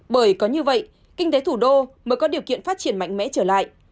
bởi có như vậy kinh tế thủ đô mới có điều kiện phát triển mạnh mẽ trở lại